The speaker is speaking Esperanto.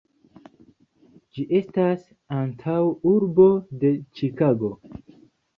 Ĝi estas antaŭurbo de Ĉikago.